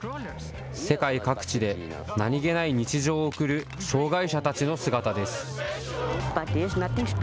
世界各地で、何気ない日常を送る障害者たちの姿です。